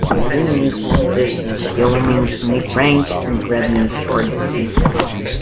Green means long distance, yellow means mid range and red means short distance.